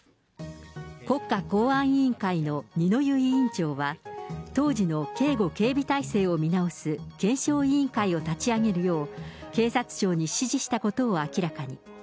国家公安委員会の二之湯委員長は、当時の警護・警備態勢を見直す検証委員会を立ち上げるよう、警察庁に指示したことを明らかに。